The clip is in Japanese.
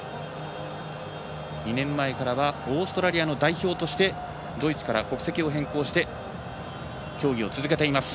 ２年前からはオーストラリアの代表として国籍を変更して競技を続けています。